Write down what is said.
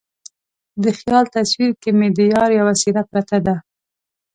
د خیال تصویر کې مې د یار یوه څیره پرته ده